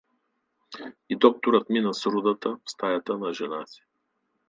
И докторът мина с рудата в стаята на жена си.